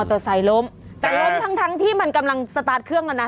โตไซค์ล้มแต่ล้มทั้งทั้งที่มันกำลังสตาร์ทเครื่องอ่ะนะ